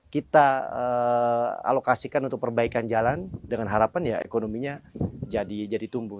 kita alokasikan untuk perbaikan jalan dengan harapan ya ekonominya jadi tumbuh